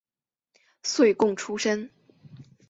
岁贡出身。